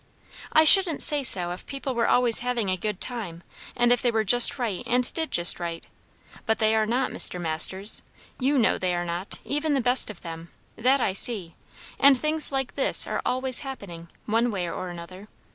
"I shouldn't say so if people were always having a good time, and if they were just right and did just right. But they are not, Mr. Masters; you know they are not; even the best of them, that I see; and things like this are always happening, one way or another.